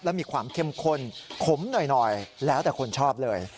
และมีความเข้มข้นขมหน่อยแล้วแต่คนชอบเลย